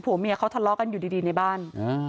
ผัวเมียเขาทะเลาะกันอยู่ดีในบ้าน